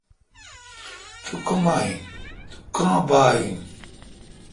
تو کما این۔۔تو کاں با این؟